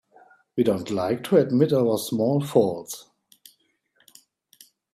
We don't like to admit our small faults.